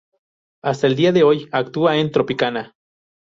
Hasta el día de hoy actúa en Tropicana.